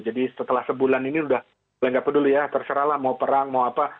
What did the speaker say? jadi setelah sebulan ini udah mulai nggak peduli ya terserahlah mau perang mau apa